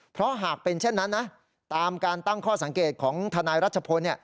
เพราะหากเป็นเช่นนั้นนะตามการตั้งข้อสังเกตของทนายรัชพล